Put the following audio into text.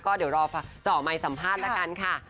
ก็เดี๋ยวรอเจาะไมค์สัมภาษณ์ละกันค่ะ